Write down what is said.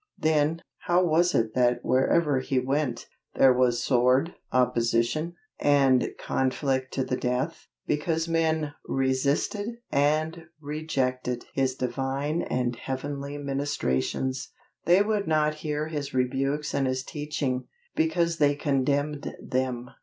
Then, how was it that wherever He went, there was sword, opposition, and conflict to the death? Because men resisted and rejected His Divine and Heavenly ministrations. They would not hear His rebukes and His teaching, because they condemned them.